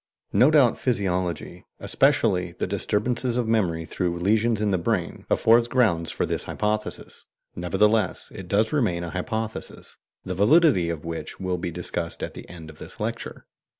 No doubt physiology, especially the disturbances of memory through lesions in the brain, affords grounds for this hypothesis; nevertheless it does remain a hypothesis, the validity of which will be discussed at the end of this lecture.